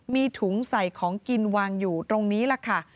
มีถุงใส่ของกินวางอยู่ตรงนี้แหละค่ะ